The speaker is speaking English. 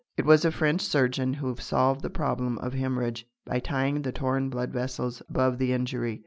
It was a French surgeon who solved the problem of hemorrhage by tying the torn blood vessels above the injury.